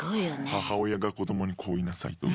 母親が子供にこう言いなさいとか。